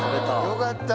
よかった。